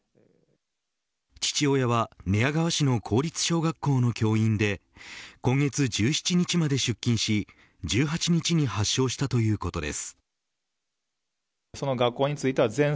父親は寝屋川市の公立小学校の教員で今月１７日まで出勤し１８日に発症したということです。